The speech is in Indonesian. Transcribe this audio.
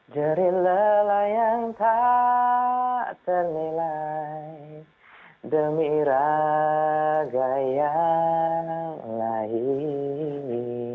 jeril lelah yang tak ternilai demi raga yang lain